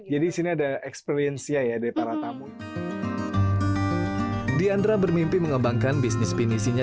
jadi sini ada experience ya ya dari para tamu diandra bermimpi mengembangkan bisnis penisinya